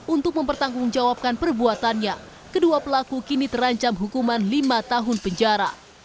untuk mempertanggungjawabkan perbuatannya kedua pelaku kini terancam hukuman lima tahun penjara